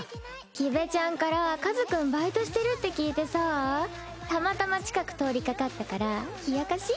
木部ちゃんから和君バイトしてるって聞いてさぁたまたま近く通りかかったから冷やかし？